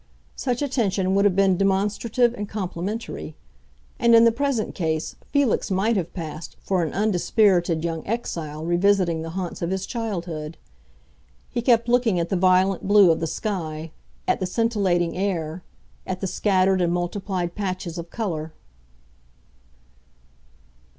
Such attention would have been demonstrative and complimentary; and in the present case Felix might have passed for an undispirited young exile revisiting the haunts of his childhood. He kept looking at the violent blue of the sky, at the scintillating air, at the scattered and multiplied patches of color.